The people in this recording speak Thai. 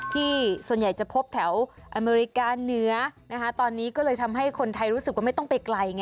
ที่ส่วนใหญ่จะพบแถวอเมริกาเหนือนะคะตอนนี้ก็เลยทำให้คนไทยรู้สึกว่าไม่ต้องไปไกลไง